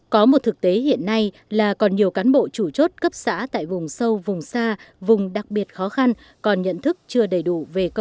có một thực tế hiện nay là còn nhiều cán bộ chủ chốt cấp xã tại vùng sâu vùng xa vùng đặc biệt khó khăn còn nhận thức chưa đầy đủ